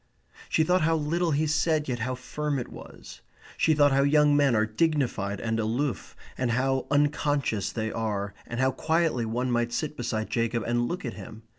She thought how little he said yet how firm it was. She thought how young men are dignified and aloof, and how unconscious they are, and how quietly one might sit beside Jacob and look at him.